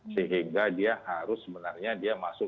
sehingga dia harus sebenarnya dia masuk ke vkm